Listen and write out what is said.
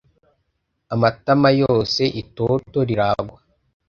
amatama yose itoto riragwa.